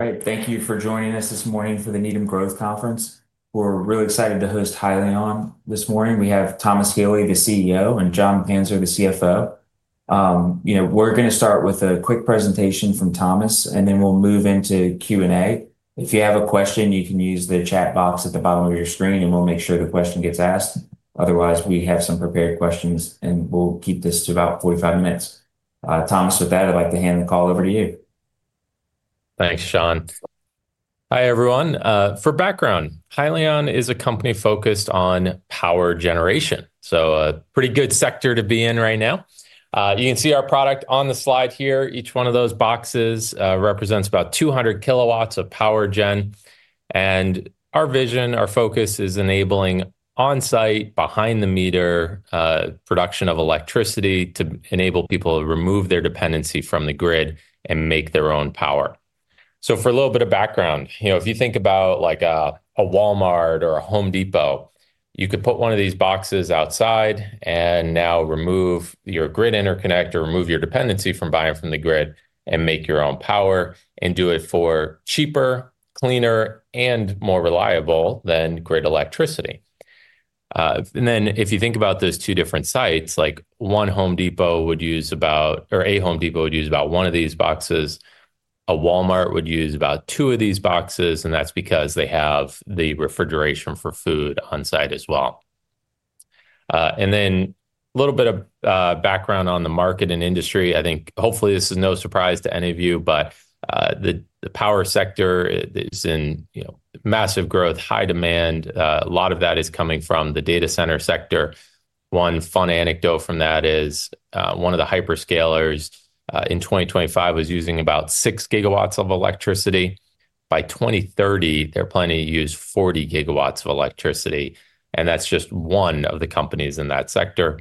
All right, thank you for joining us this morning for the Needham Growth Conference. We're really excited to host Hyliion this morning. We have Thomas Healy, the CEO, and Jon Panzer, the CFO. You know, we're going to start with a quick presentation from Thomas, and then we'll move into Q&A. If you have a question, you can use the chat box at the bottom of your screen, and we'll make sure the question gets asked. Otherwise, we have some prepared questions, and we'll keep this to about 45 minutes. Thomas, with that, I'd like to hand the call over to you. Thanks, Sean. Hi, everyone. For background, Hyliion is a company focused on power generation, so a pretty good sector to be in right now. You can see our product on the slide here. Each one of those boxes represents about 200 kW of power gen. And our vision, our focus, is enabling on-site, behind-the-meter production of electricity to enable people to remove their dependency from the grid and make their own power. So for a little bit of background, you know, if you think about like a Walmart or a Home Depot, you could put one of these boxes outside and now remove your grid interconnect or remove your dependency from buying from the grid and make your own power and do it for cheaper, cleaner, and more reliable than grid electricity. If you think about those two different sites, like a Home Depot would use about one of these boxes, a Walmart would use about two of these boxes, and that's because they have the refrigeration for food on-site as well. A little bit of background on the market and industry. I think hopefully this is no surprise to any of you, but the power sector is in massive growth, high demand. A lot of that is coming from the data center sector. One fun anecdote from that is one of the hyperscalers in 2025 was using about six GW of electricity. By 2030, they're planning to use 40 GW of electricity. That's just one of the companies in that sector.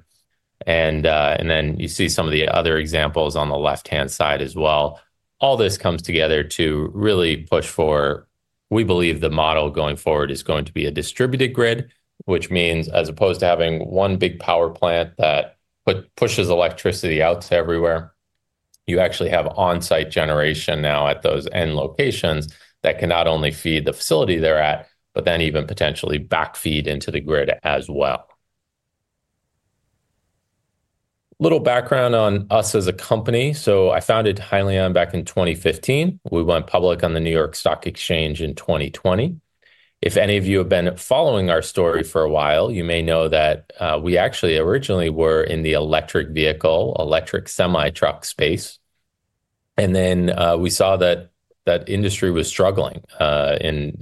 You see some of the other examples on the left-hand side as well. All this comes together to really push for, we believe, the model going forward is going to be a distributed grid, which means as opposed to having one big power plant that pushes electricity out to everywhere, you actually have on-site generation now at those end locations that can not only feed the facility they're at, but then even potentially backfeed into the grid as well. Little background on us as a company. So I founded Hyliion back in 2015. We went public on the New York Stock Exchange in 2020. If any of you have been following our story for a while, you may know that we actually originally were in the electric vehicle, electric semi-truck space. And then we saw that that industry was struggling. And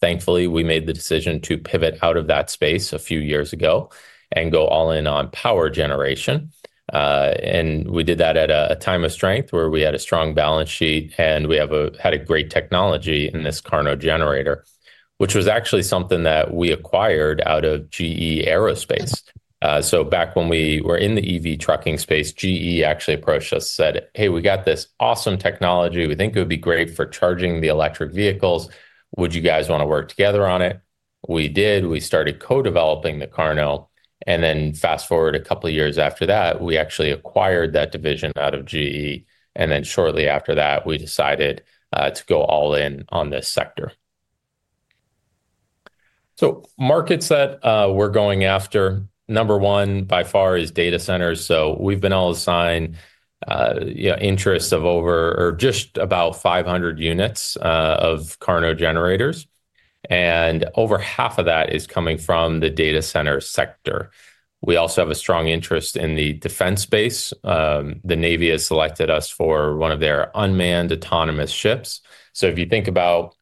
thankfully, we made the decision to pivot out of that space a few years ago and go all in on power generation. And we did that at a time of strength where we had a strong balance sheet and we had a great technology in this KARNO generator, which was actually something that we acquired out of GE Aerospace. So back when we were in the EV trucking space, GE actually approached us and said, "Hey, we got this awesome technology. We think it would be great for charging the electric vehicles. Would you guys want to work together on it?" We did. We started co-developing the KARNO. And then fast forward a couple of years after that, we actually acquired that division out of GE. And then shortly after that, we decided to go all in on this sector. So markets that we're going after, number one by far is data centers. So we've been all assigned interests of over or just about 500 units of KARNO generators. Over half of that is coming from the data center sector. We also have a strong interest in the defense space. The Navy has selected us for one of their unmanned autonomous ships. If you think about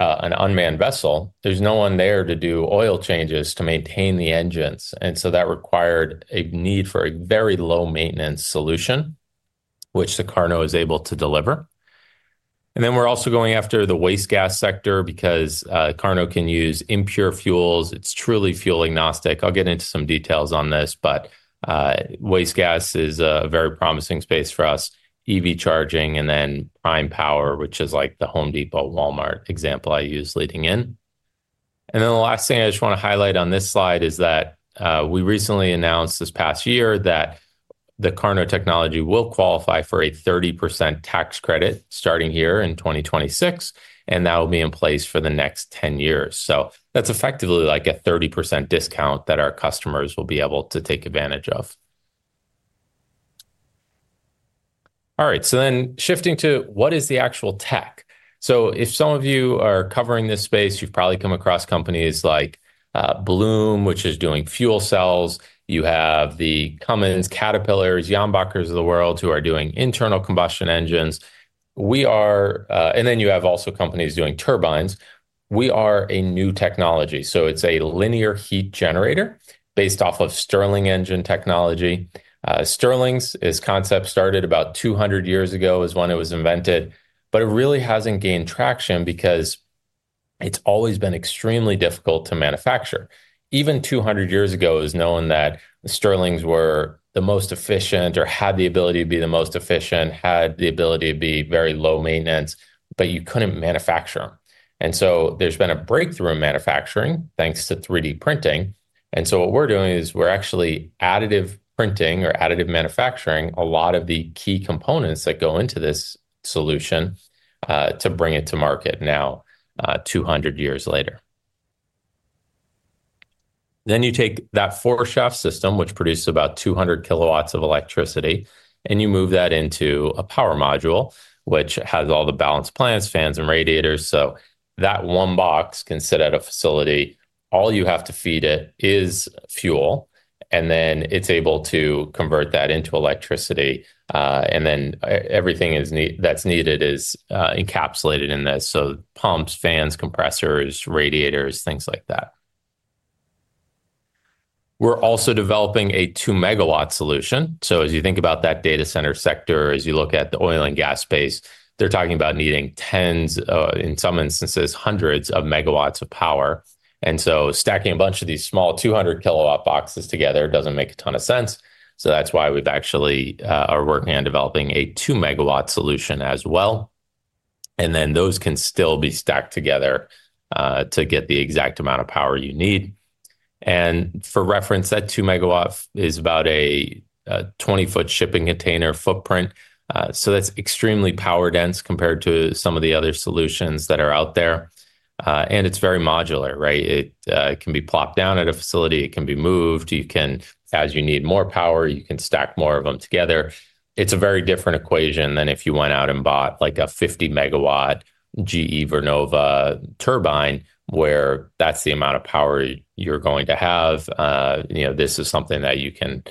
an unmanned vessel, there's no one there to do oil changes to maintain the engines. That required a need for a very low-maintenance solution, which the KARNO is able to deliver. We're also going after the waste gas sector because KARNO can use impure fuels. It's truly fuel agnostic. I'll get into some details on this, but waste gas is a very promising space for us, EV charging, and then prime power, which is like the Home Depot, Walmart example I used leading in. And then the last thing I just want to highlight on this slide is that we recently announced this past year that the KARNO technology will qualify for a 30% tax credit starting here in 2026, and that will be in place for the next 10 years. So that's effectively like a 30% discount that our customers will be able to take advantage of. All right, so then shifting to what is the actual tech? So if some of you are covering this space, you've probably come across companies like Bloom, which is doing fuel cells. You have the Cummins, Caterpillars, Jenbachers of the world who are doing internal combustion engines. And then you have also companies doing turbines. We are a new technology. So it's a linear heat generator based off of Stirling engine technology. Stirling's concept started about 200 years ago, which is when it was invented, but it really hasn't gained traction because it's always been extremely difficult to manufacture. Even 200 years ago, it was known that Stirlings were the most efficient or had the ability to be the most efficient, had the ability to be very low maintenance, but you couldn't manufacture them. There's been a breakthrough in manufacturing thanks to 3D printing. What we're doing is we're actually additive printing or additive manufacturing a lot of the key components that go into this solution to bring it to market now 200 years later. You take that four-shaft system, which produces about 200 kW of electricity, and you move that into a power module, which has all the balanced plants, fans, and radiators. That one box can sit at a facility. All you have to feed it is fuel, and then it's able to convert that into electricity. And then everything that's needed is encapsulated in this. So pumps, fans, compressors, radiators, things like that. We're also developing a two MW solution. So as you think about that data center sector, as you look at the oil and gas space, they're talking about needing tens, in some instances, hundreds of megawatts of power. And so stacking a bunch of these small 200 kW boxes together doesn't make a ton of sense. So that's why we are actually working on developing a two MW solution as well. And then those can still be stacked together to get the exact amount of power you need. And for reference, that two-megawatt is about a 20 ft shipping container footprint. So that's extremely power dense compared to some of the other solutions that are out there. It's very modular, right? It can be plopped down at a facility. It can be moved. As you need more power, you can stack more of them together. It's a very different equation than if you went out and bought like a 50 MW GE Vernova turbine, where that's the amount of power you're going to have. This is something that you can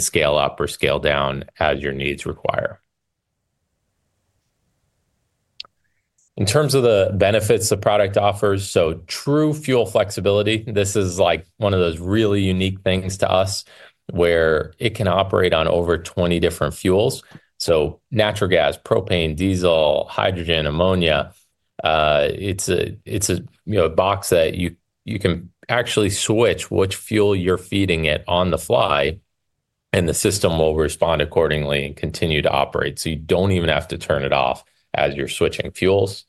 scale up or scale down as your needs require. In terms of the benefits the product offers, so true fuel flexibility, this is like one of those really unique things to us where it can operate on over 20 different fuels. Natural gas, propane, diesel, hydrogen, ammonia. It's a box that you can actually switch which fuel you're feeding it on the fly, and the system will respond accordingly and continue to operate. You don't even have to turn it off as you're switching fuels.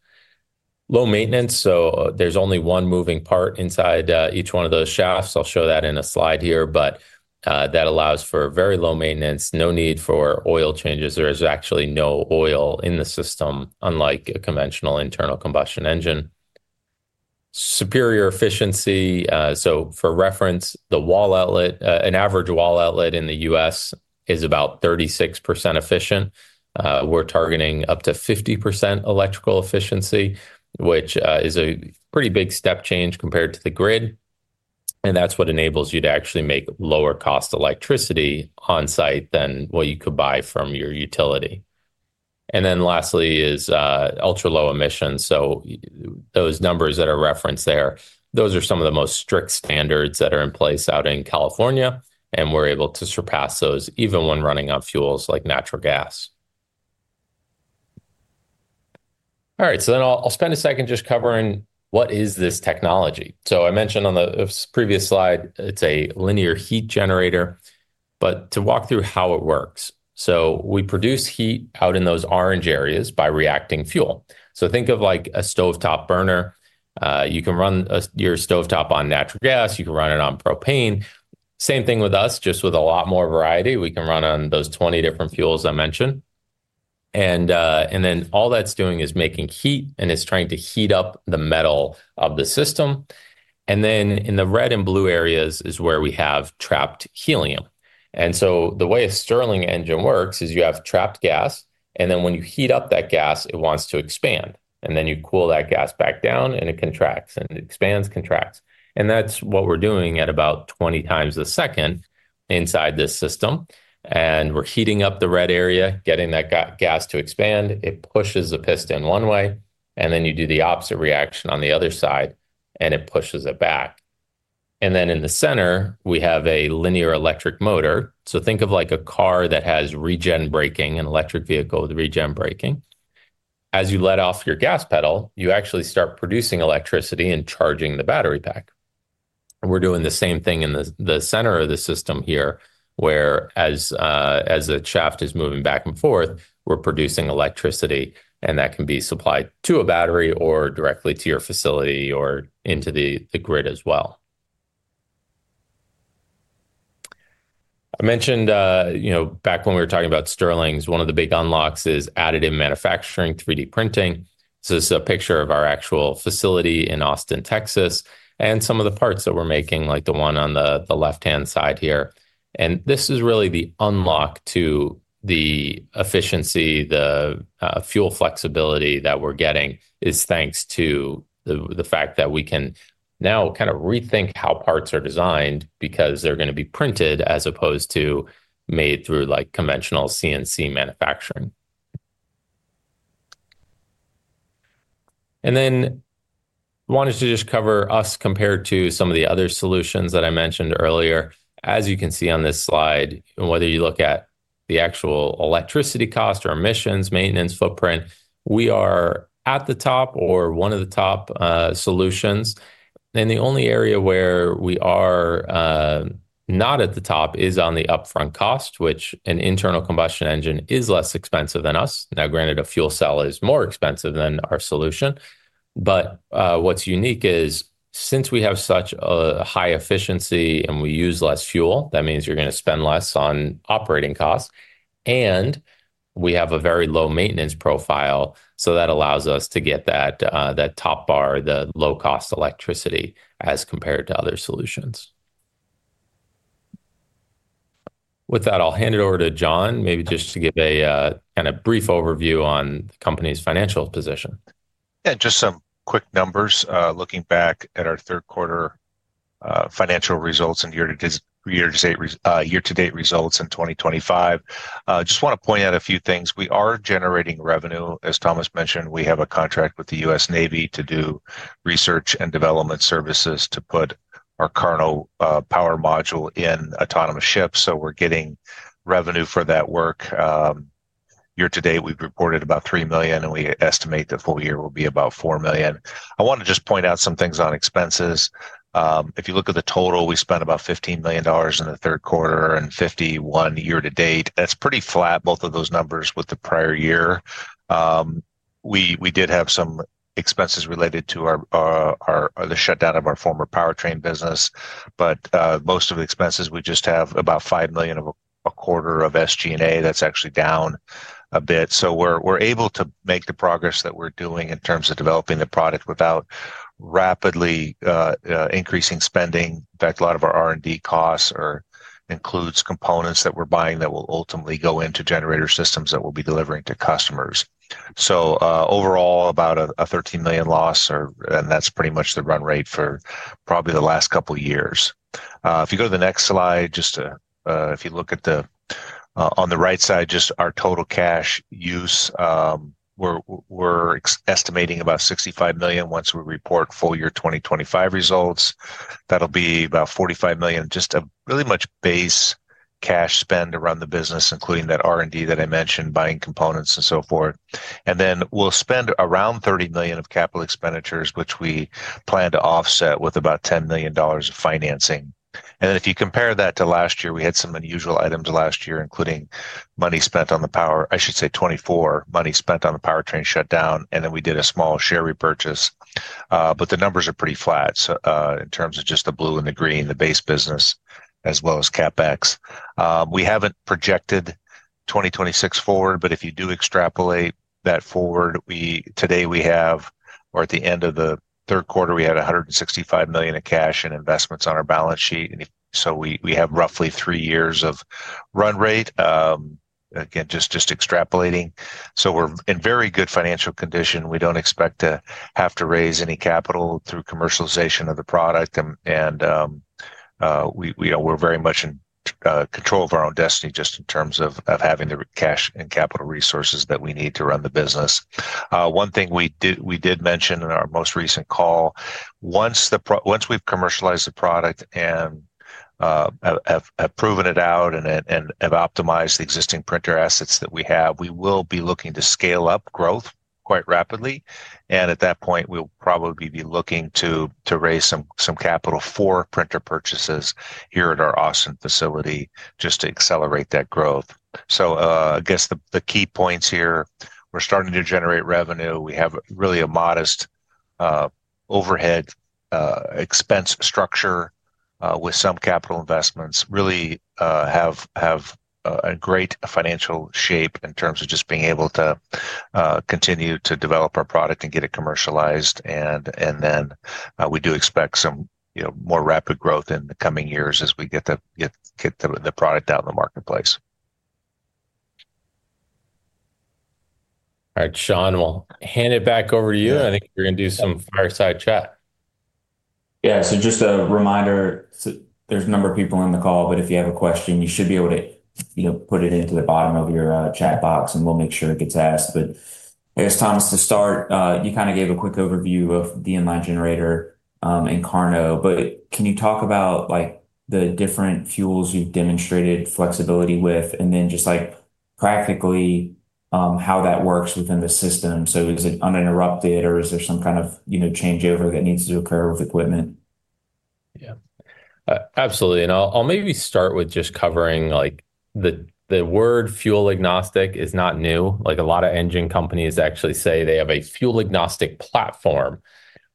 Low maintenance. So there's only one moving part inside each one of those shafts. I'll show that in a slide here, but that allows for very low maintenance, no need for oil changes. There is actually no oil in the system, unlike a conventional internal combustion engine. Superior efficiency. So for reference, the wall outlet, an average wall outlet in the U.S. is about 36% efficient. We're targeting up to 50% electrical efficiency, which is a pretty big step change compared to the grid. And that's what enables you to actually make lower-cost electricity on-site than what you could buy from your utility. And then lastly is ultra-low emissions. So those numbers that are referenced there, those are some of the most strict standards that are in place out in California. And we're able to surpass those even when running on fuels like natural gas. All right, so then I'll spend a second just covering what is this technology, so I mentioned on the previous slide, it's a linear heat generator, but to walk through how it works, so we produce heat out in those orange areas by reacting fuel, so think of like a stovetop burner, you can run your stovetop on natural gas, you can run it on propane, same thing with us, just with a lot more variety, we can run on those 20 different fuels I mentioned, and then all that's doing is making heat, and it's trying to heat up the metal of the system, and then in the red and blue areas is where we have trapped helium, and so the way a Stirling engine works is you have trapped gas, and then when you heat up that gas, it wants to expand. And then you cool that gas back down, and it contracts and expands, contracts. And that's what we're doing at about 20 times a second inside this system. And we're heating up the red area, getting that gas to expand. It pushes the piston one way, and then you do the opposite reaction on the other side, and it pushes it back. And then in the center, we have a linear electric motor. So think of like a car that has regen braking, an electric vehicle with regen braking. As you let off your gas pedal, you actually start producing electricity and charging the battery pack. We're doing the same thing in the center of the system here, whereas the shaft is moving back and forth, we're producing electricity, and that can be supplied to a battery or directly to your facility or into the grid as well. I mentioned back when we were talking about Stirlings, one of the big unlocks is additive manufacturing, 3D printing. This is a picture of our actual facility in Austin, Texas, and some of the parts that we're making, like the one on the left-hand side here, and this is really the unlock to the efficiency, the fuel flexibility that we're getting is thanks to the fact that we can now kind of rethink how parts are designed because they're going to be printed as opposed to made through conventional CNC manufacturing, and then I wanted to just cover us compared to some of the other solutions that I mentioned earlier. As you can see on this slide, whether you look at the actual electricity cost or emissions maintenance footprint, we are at the top or one of the top solutions. And the only area where we are not at the top is on the upfront cost, which an internal combustion engine is less expensive than us. Now, granted, a fuel cell is more expensive than our solution. But what's unique is since we have such a high efficiency and we use less fuel, that means you're going to spend less on operating costs. And we have a very low maintenance profile. So that allows us to get that top bar, the low-cost electricity as compared to other solutions. With that, I'll hand it over to Jon, maybe just to give a kind of brief overview on the company's financial position. Yeah, just some quick numbers. Looking back at our third quarter financial results and year-to-date results in 2025, I just want to point out a few things. We are generating revenue. As Thomas mentioned, we have a contract with the US Navy to do research and development services to put our KARNO power module in autonomous ships. So we're getting revenue for that work. Year-to-date, we've reported about $3 million, and we estimate the full year will be about $4 million. I want to just point out some things on expenses. If you look at the total, we spent about $15 million in the third quarter and $51 million year-to-date. That's pretty flat, both of those numbers with the prior year. We did have some expenses related to the shutdown of our former powertrain business, but most of the expenses, we just have about $5 million of a quarter of SG&A. That's actually down a bit. So we're able to make the progress that we're doing in terms of developing the product without rapidly increasing spending. In fact, a lot of our R&D costs include components that we're buying that will ultimately go into generator systems that we'll be delivering to customers. So overall, about a $13 million loss, and that's pretty much the run rate for probably the last couple of years. If you go to the next slide, just if you look at the on the right side, just our total cash use, we're estimating about $65 million once we report full year 2025 results. That'll be about $45 million, just a really much base cash spend to run the business, including that R&D that I mentioned, buying components and so forth. And then we'll spend around $30 million of capital expenditures, which we plan to offset with about $10 million of financing. And then, if you compare that to last year, we had some unusual items last year, including money spent on the power (I should say $24 million), money spent on the powertrain shutdown, and then we did a small share repurchase. But the numbers are pretty flat in terms of just the blue and the green, the base business, as well as CapEx. We haven't projected 2026 forward, but if you do extrapolate that forward, today we have, or at the end of the third quarter, we had $165 million in cash and investments on our balance sheet. So we have roughly three years of run rate, again, just extrapolating. So we're in very good financial condition. We don't expect to have to raise any capital through commercialization of the product. And we're very much in control of our own destiny just in terms of having the cash and capital resources that we need to run the business. One thing we did mention in our most recent call, once we've commercialized the product and have proven it out and have optimized the existing printer assets that we have, we will be looking to scale up growth quite rapidly. And at that point, we'll probably be looking to raise some capital for printer purchases here at our Austin facility just to accelerate that growth. So I guess the key points here, we're starting to generate revenue. We have really a modest overhead expense structure with some capital investments. Really have a great financial shape in terms of just being able to continue to develop our product and get it commercialized. And then we do expect some more rapid growth in the coming years as we get the product out in the marketplace. All right, Sean, we'll hand it back over to you. I think we're going to do some fireside chat. Yeah, so just a reminder, there's a number of people on the call, but if you have a question, you should be able to put it into the bottom of your chat box, and we'll make sure it gets asked. But I guess, Thomas, to start, you kind of gave a quick overview of the linear generator and KARNO, but can you talk about the different fuels you've demonstrated flexibility with, and then just practically how that works within the system? So is it uninterrupted, or is there some kind of changeover that needs to occur with equipment? Yeah, absolutely. And I'll maybe start with just covering the word fuel agnostic is not new. A lot of engine companies actually say they have a fuel agnostic platform.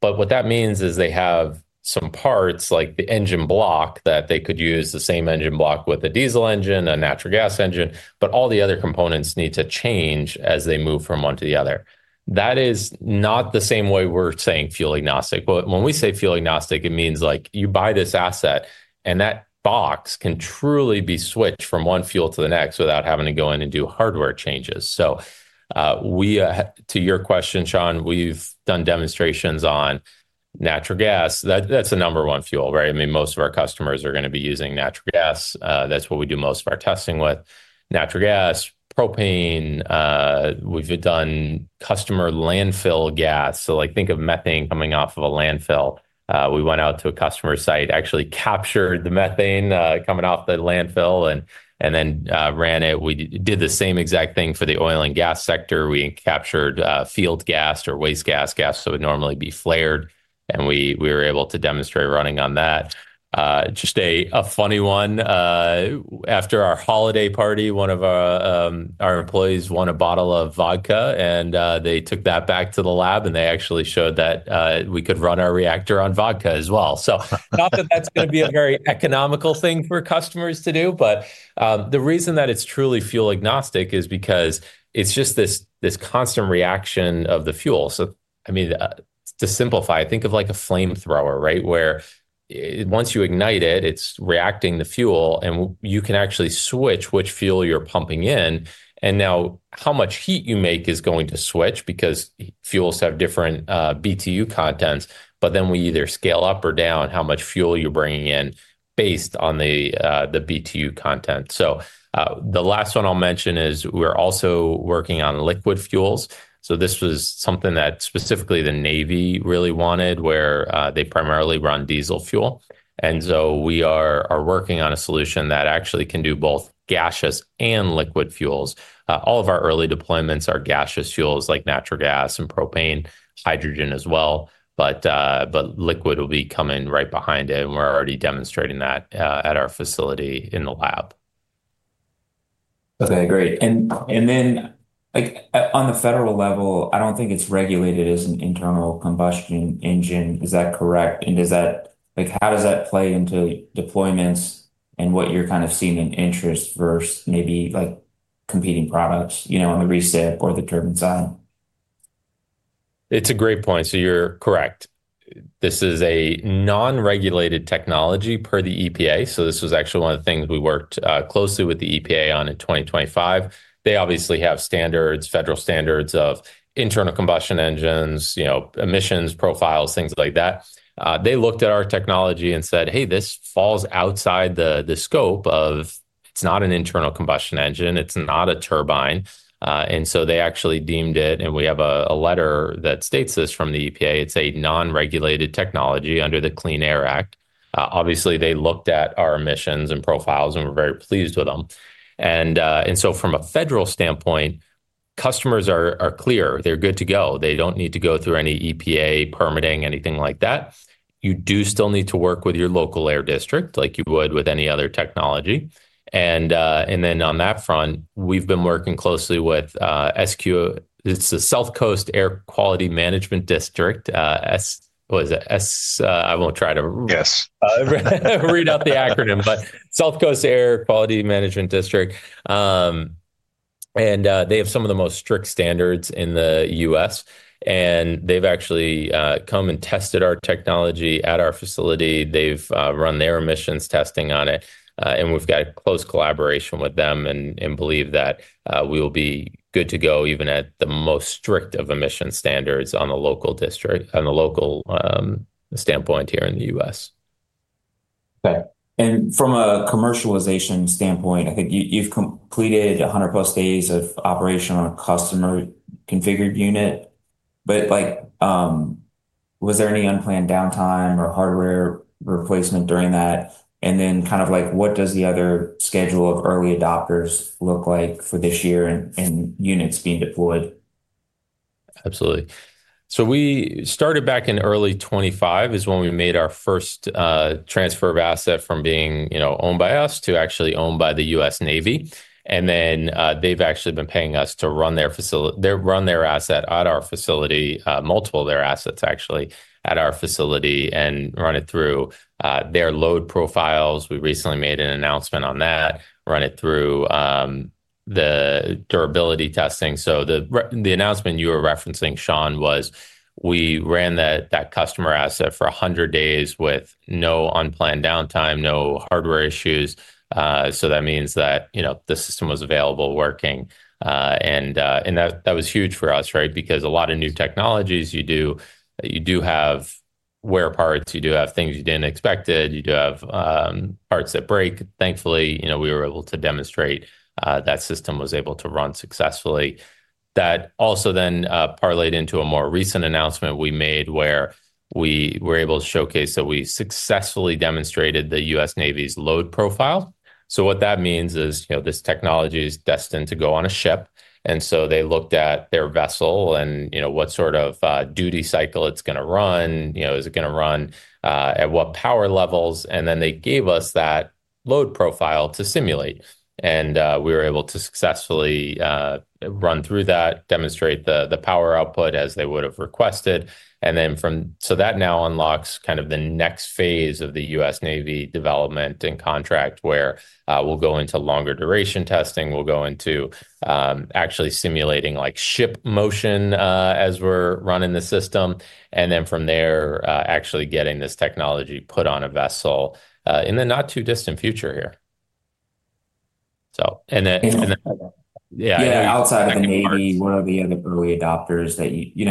But what that means is they have some parts, like the engine block, that they could use the same engine block with a diesel engine, a natural gas engine, but all the other components need to change as they move from one to the other. That is not the same way we're saying fuel agnostic. But when we say fuel agnostic, it means you buy this asset, and that box can truly be switched from one fuel to the next without having to go in and do hardware changes. So to your question, Sean, we've done demonstrations on natural gas. That's a number one fuel, right? I mean, most of our customers are going to be using natural gas. That's what we do most of our testing with. Natural gas, propane. We've done customer landfill gas. So think of methane coming off of a landfill. We went out to a customer site, actually captured the methane coming off the landfill, and then ran it. We did the same exact thing for the oil and gas sector. We captured field gas or waste gas, gas that would normally be flared, and we were able to demonstrate running on that. Just a funny one. After our holiday party, one of our employees won a bottle of vodka, and they took that back to the lab, and they actually showed that we could run our reactor on vodka as well. So, not that that's going to be a very economical thing for customers to do, but the reason that it's truly fuel agnostic is because it's just this constant reaction of the fuel. So I mean, to simplify, think of like a flamethrower, right? Where once you ignite it, it's reacting the fuel, and you can actually switch which fuel you're pumping in. And now how much heat you make is going to switch because fuels have different BTU contents. But then we either scale up or down how much fuel you're bringing in based on the BTU content. So the last one I'll mention is we're also working on liquid fuels. So this was something that specifically the Navy really wanted, where they primarily run diesel fuel. And so we are working on a solution that actually can do both gaseous and liquid fuels. All of our early deployments are gaseous fuels like natural gas and propane, hydrogen as well. But liquid will be coming right behind it, and we're already demonstrating that at our facility in the lab. Okay, great. And then on the federal level, I don't think it's regulated as an internal combustion engine. Is that correct? And how does that play into deployments and what you're kind of seeing in interest versus maybe competing products on the recip or the turbine side? It's a great point. So you're correct. This is a non-regulated technology per the EPA. So this was actually one of the things we worked closely with the EPA on in 2025. They obviously have standards, federal standards of internal combustion engines, emissions profiles, things like that. They looked at our technology and said, "Hey, this falls outside the scope of. It's not an internal combustion engine. It's not a turbine." And so they actually deemed it, and we have a letter that states this from the EPA. It's a non-regulated technology under the Clean Air Act. Obviously, they looked at our emissions and profiles, and we're very pleased with them. And so from a federal standpoint, customers are clear. They're good to go. They don't need to go through any EPA permitting, anything like that. You do still need to work with your local air district like you would with any other technology. And then on that front, we've been working closely with SCAQMD. It's the South Coast Air Quality Management District. What is it? I won't try to read out the acronym, but South Coast Air Quality Management District. And they have some of the most strict standards in the U.S. And they've actually come and tested our technology at our facility. They've run their emissions testing on it. And we've got a close collaboration with them and believe that we will be good to go even at the most strict of emission standards on the local district, on the local standpoint here in the U.S. Okay. And from a commercialization standpoint, I think you've completed 100+ days of operation on a customer-configured unit. But was there any unplanned downtime or hardware replacement during that? And then kind of what does the other schedule of early adopters look like for this year and units being deployed? Absolutely. So we started back in early 2025 is when we made our first transfer of asset from being owned by us to actually owned by the U.S. Navy. And then they've actually been paying us to run their asset at our facility, multiple of their assets actually at our facility and run it through their load profiles. We recently made an announcement on that, run it through the durability testing, so the announcement you were referencing, Sean, was we ran that customer asset for 100 days with no unplanned downtime, no hardware issues, so that means that the system was available, working, and that was huge for us, right? Because a lot of new technologies you do, you do have wear parts. You do have things you didn't expected. You do have parts that break. Thankfully, we were able to demonstrate that system was able to run successfully. That also then parlayed into a more recent announcement we made where we were able to showcase that we successfully demonstrated the U.S. Navy's load profile. So what that means is this technology is destined to go on a ship. And so they looked at their vessel and what sort of duty cycle it's going to run. Is it going to run at what power levels? And then they gave us that load profile to simulate. And we were able to successfully run through that, demonstrate the power output as they would have requested. And then from so that now unlocks kind of the next phase of the US Navy development and contract where we'll go into longer duration testing. We'll go into actually simulating ship motion as we're running the system. And then from there, actually getting this technology put on a vessel in the not too distant future here. And then, yeah. Yeah, outside of the Navy, one of the other early adopters,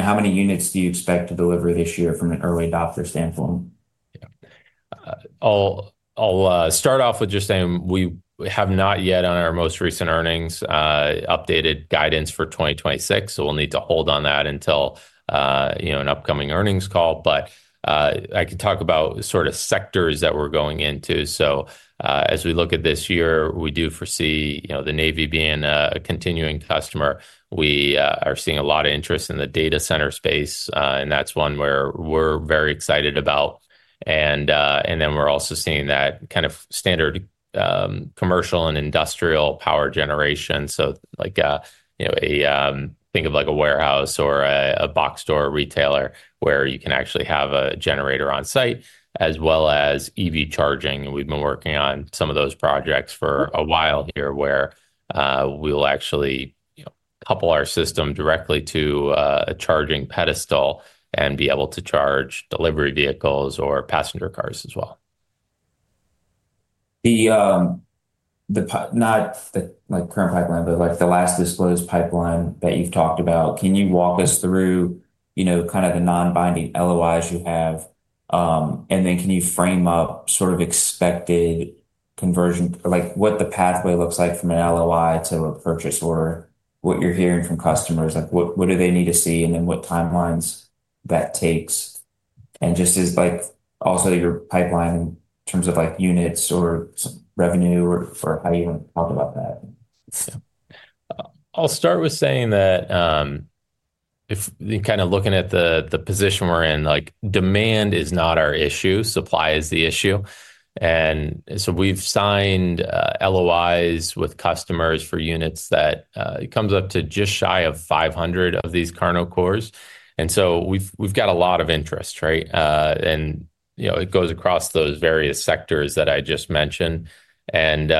how many units do you expect to deliver this year from an early adopter standpoint? Yeah. I'll start off with just saying we have not yet, on our most recent earnings, updated guidance for 2026 so we'll need to hold on that until an upcoming earnings call, but I can talk about sort of sectors that we're going into so as we look at this year, we do foresee the Navy being a continuing customer. We are seeing a lot of interest in the data center space, and that's one where we're very excited about and then we're also seeing that kind of standard commercial and industrial power generation so think of a warehouse or a box store retailer where you can actually have a generator on-site as well as EV charging. And we've been working on some of those projects for a while here where we will actually couple our system directly to a charging pedestal and be able to charge delivery vehicles or passenger cars as well. Not the current pipeline, but the last disclosed pipeline that you've talked about, can you walk us through kind of the non-binding LOIs you have? And then can you frame up sort of expected conversion, what the pathway looks like from an LOI to a purchase order, what you're hearing from customers, what do they need to see, and then what timelines that takes? And just also your pipeline in terms of units or revenue or how you want to talk about that. Yeah. I'll start with saying that kind of looking at the position we're in, demand is not our issue. Supply is the issue. And so we've signed LOIs with customers for units that it comes up to just shy of 500 of these KARNO cores. And so we've got a lot of interest, right? And it goes across those various sectors that I just mentioned. And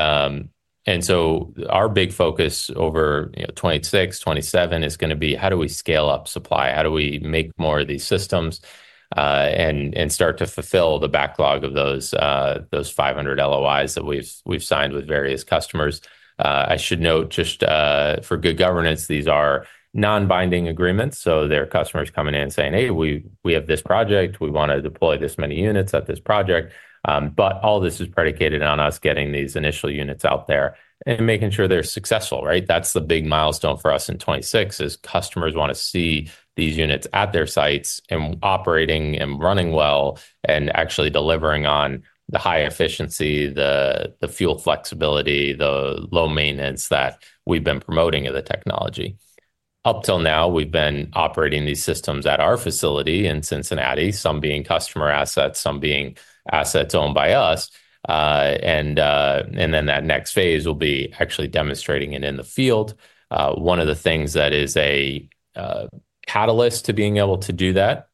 so our big focus over 2026, 2027 is going to be how do we scale up supply? How do we make more of these systems and start to fulfill the backlog of those 500 LOIs that we've signed with various customers? I should note just for good governance, these are non-binding agreements. So there are customers coming in saying, "Hey, we have this project. We want to deploy this many units at this project." But all this is predicated on us getting these initial units out there and making sure they're successful, right? That's the big milestone for us in 2026 is customers want to see these units at their sites and operating and running well and actually delivering on the high efficiency, the fuel flexibility, the low maintenance that we've been promoting of the technology. Up till now, we've been operating these systems at our facility in Cincinnati, some being customer assets, some being assets owned by us, and then that next phase will be actually demonstrating it in the field. One of the things that is a catalyst to being able to do that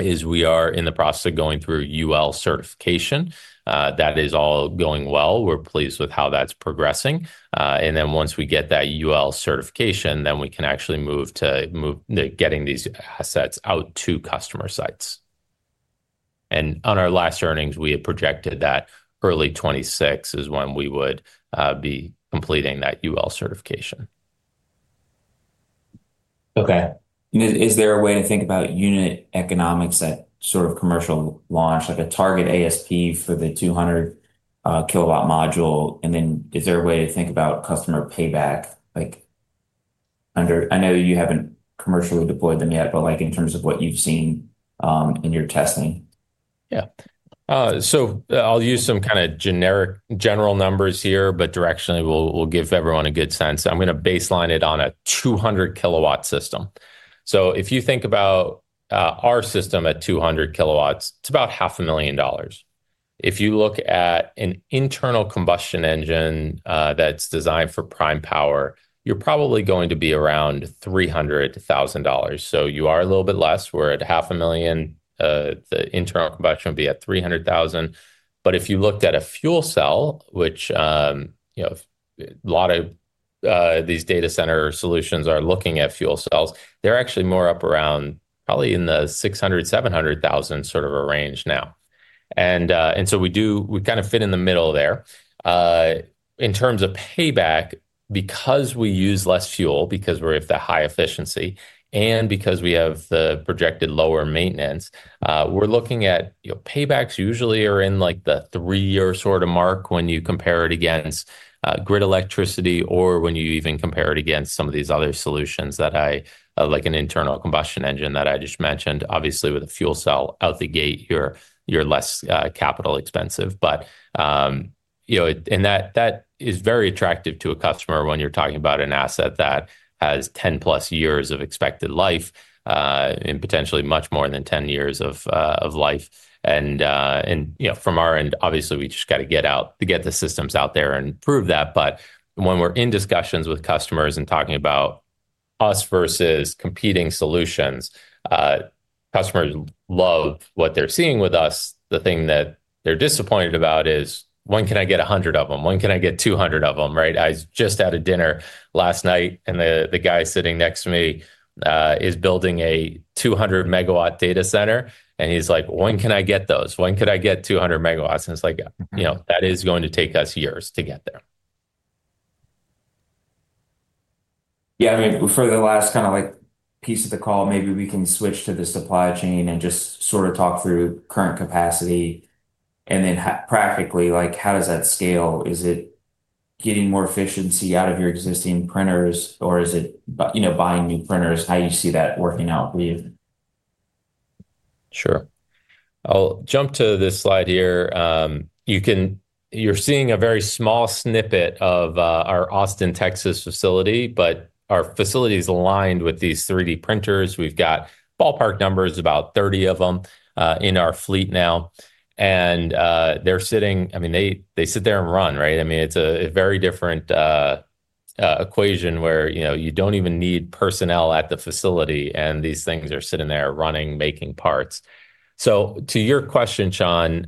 is we are in the process of going through UL certification. That is all going well. We're pleased with how that's progressing, and then once we get that UL certification, then we can actually move to getting these assets out to customer sites. On our last earnings, we had projected that early 2026 is when we would be completing that UL certification. Okay. Is there a way to think about unit economics that sort of commercial launch, like a target ASP for the 200 kW module? Is there a way to think about customer payback? I know you haven't commercially deployed them yet, but in terms of what you've seen in your testing. Yeah. I'll use some kind of general numbers here, but directionally, we'll give everyone a good sense. I'm going to baseline it on a 200 kW system. If you think about our system at 200 kW, it's about $500,000. If you look at an internal combustion engine that's designed for prime power, you're probably going to be around $300,000. You are a little bit less. We're at $500,000. The internal combustion would be at $300,000. But if you looked at a fuel cell, which a lot of these data center solutions are looking at fuel cells, they're actually more up around probably in the $600,000-$700,000 sort of a range now. And so we kind of fit in the middle there. In terms of payback, because we use less fuel, because we're at the high efficiency, and because we have the projected lower maintenance, we're looking at paybacks usually are in the three-year sort of mark when you compare it against grid electricity or when you even compare it against some of these other solutions that I like an internal combustion engine that I just mentioned. Obviously, with a fuel cell out the gate, you're less capital expensive. But that is very attractive to a customer when you're talking about an asset that has 10-plus years of expected life and potentially much more than 10 years of life. And from our end, obviously, we just got to get out to get the systems out there and prove that. But when we're in discussions with customers and talking about us versus competing solutions, customers love what they're seeing with us. The thing that they're disappointed about is, "When can I get 100 of them? When can I get 200 of them?" Right? I just had a dinner last night, and the guy sitting next to me is building a 200-megawatt data center. And he's like, "When can I get those? When could I get 200 megawatts?" And it's like, "That is going to take us years to get there." Yeah. I mean, for the last kind of piece of the call, maybe we can switch to the supply chain and just sort of talk through current capacity, and then practically, how does that scale? Is it getting more efficiency out of your existing printers, or is it buying new printers? How do you see that working out for you? Sure. I'll jump to this slide here. You're seeing a very small snippet of our Austin, Texas facility, but our facility is aligned with these 3D printers. We've got ballpark numbers, about 30 of them in our fleet now, and they're sitting. I mean, they sit there and run, right? I mean, it's a very different equation where you don't even need personnel at the facility, and these things are sitting there running, making parts. So to your question, Sean,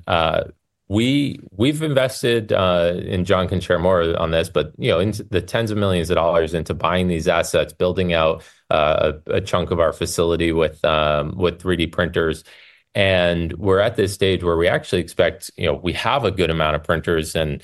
we've invested in Jon can share more on this, but the tens of millions of dollars into buying these assets, building out a chunk of our facility with 3D printers. And we're at this stage where we actually expect we have a good amount of printers, and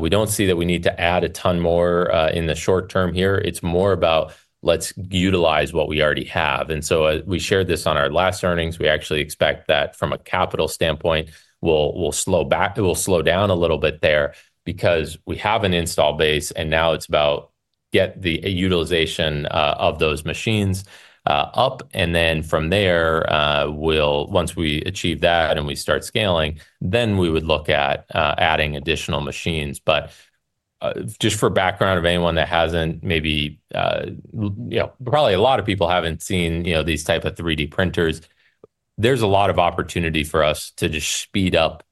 we don't see that we need to add a ton more in the short term here. It's more about, "Let's utilize what we already have." And so we shared this on our last earnings. We actually expect that from a capital standpoint, we'll slow down a little bit there because we have an install base, and now it's about getting the utilization of those machines up. And then from there, once we achieve that and we start scaling, then we would look at adding additional machines. But just for background, if anyone that hasn't maybe probably a lot of people haven't seen these types of 3D printers, there's a lot of opportunity for us to just speed up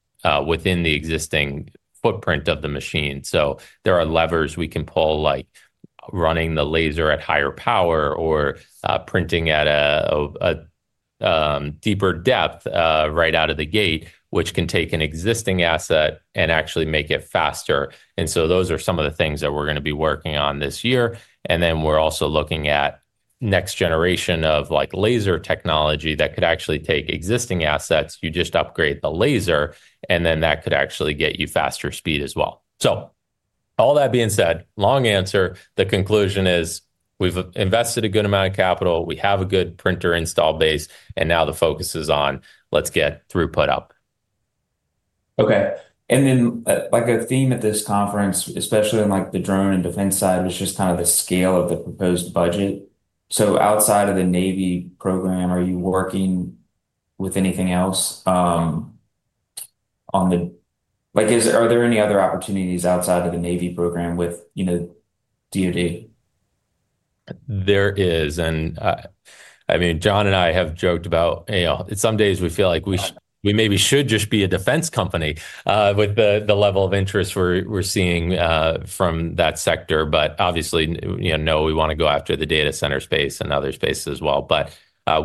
within the existing footprint of the machine. So there are levers we can pull, like running the laser at higher power or printing at a deeper depth right out of the gate, which can take an existing asset and actually make it faster. And so those are some of the things that we're going to be working on this year. And then we're also looking at next generation of laser technology that could actually take existing assets. You just upgrade the laser, and then that could actually get you faster speed as well. So all that being said, long answer, the conclusion is we've invested a good amount of capital. We have a good printer install base, and now the focus is on "Let's get throughput up." Okay, and then a theme at this conference, especially on the drone and defense side, was just kind of the scale of the proposed budget. So outside of the Navy program, are you working with anything else? Are there any other opportunities outside of the Navy program with DOD? There is, and I mean, Jon and I have joked about some days we feel like we maybe should just be a defense company with the level of interest we're seeing from that sector, but obviously, no, we want to go after the data center space and other spaces as well, but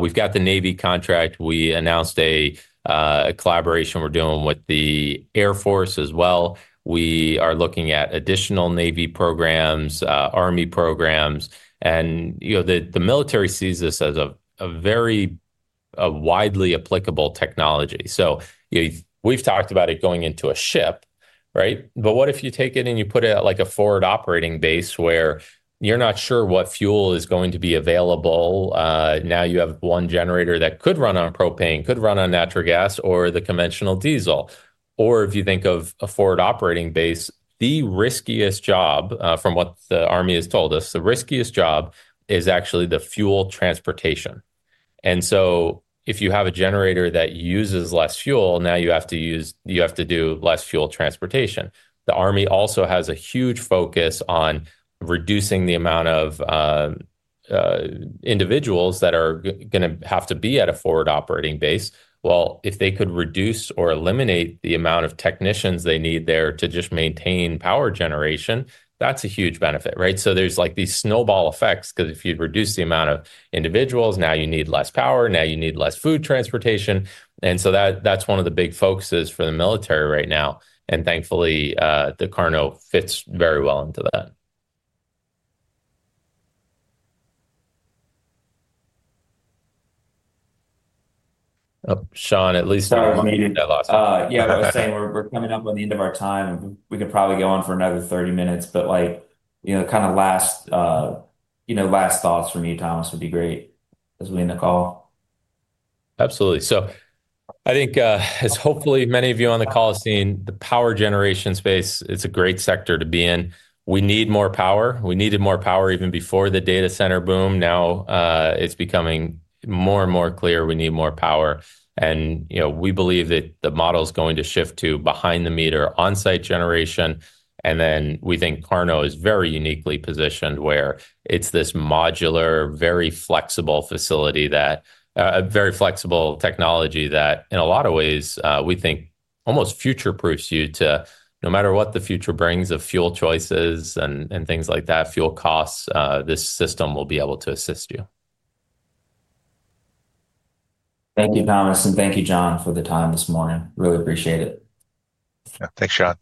we've got the Navy contract. We announced a collaboration we're doing with the Air Force as well. We are looking at additional Navy programs, Army programs. The military sees this as a very widely applicable technology. We've talked about it going into a ship, right? But what if you take it and you put it at a forward operating base where you're not sure what fuel is going to be available? Now you have one generator that could run on propane, could run on natural gas, or the conventional diesel. Or if you think of a forward operating base, the riskiest job, from what the Army has told us, the riskiest job is actually the fuel transportation. And so if you have a generator that uses less fuel, now you have to do less fuel transportation. The Army also has a huge focus on reducing the amount of individuals that are going to have to be at a forward operating base. Well, if they could reduce or eliminate the amount of technicians they need there to just maintain power generation, that's a huge benefit, right? So there's these snowball effects because if you reduce the amount of individuals, now you need less power. Now you need less food transportation. And so that's one of the big focuses for the military right now. And thankfully, the KARNO fits very well into that. Sean, at least. Sorry, I'm muted. Yeah, I was saying we're coming up on the end of our time. We could probably go on for another 30 minutes, but kind of last thoughts from you, Thomas, would be great as we end the call. Absolutely. So I think, as hopefully many of you on the call have seen, the power generation space, it's a great sector to be in. We need more power. We needed more power even before the data center boom. Now it's becoming more and more clear we need more power, and we believe that the model is going to shift to behind-the-meter on-site generation, and then we think KARNO is very uniquely positioned where it's this modular, very flexible facility, a very flexible technology that, in a lot of ways, we think almost future-proofs you to, no matter what the future brings of fuel choices and things like that, fuel costs, this system will be able to assist you. Thank you, Thomas, and thank you, Jon, for the time this morning. Really appreciate it. Yeah. Thanks, Sean.